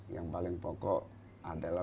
yang paling pokok adalah